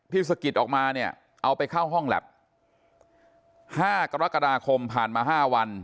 สะกิดออกมาเนี่ยเอาไปเข้าห้องแล็บ๕กรกฎาคมผ่านมา๕วัน